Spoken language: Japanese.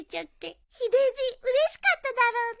ヒデじいうれしかっただろうね。